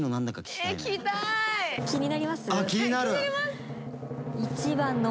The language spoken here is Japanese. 気になります！